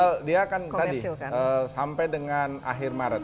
well dia akan sampai dengan akhir maret